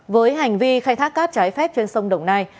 với hành vi khai thác cát trái phép trên sông đồng nai